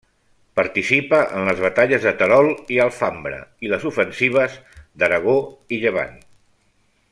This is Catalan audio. Participa en les batalles de Terol i Alfambra i les ofensives d'Aragó i Llevant.